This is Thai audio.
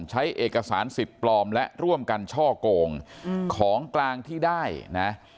ใช้เอกสารสิทธิ์ปลอมและร่วมกันช่อโกงของกลางที่ได้นะ